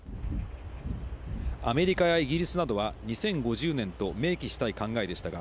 アメリカやイギリスなどは２０５０年と明記したい考えでしたが、